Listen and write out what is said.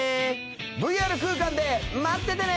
ＶＲ空間で待っててね！